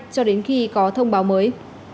cho đến khi có thông báo mới